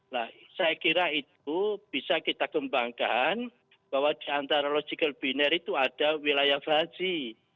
nah saya kira itu bisa kita kembangkan bahwa di antara logical biner itu ada wilayah faji